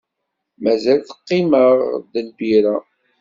Mazal teqqim-aɣ-d lbira?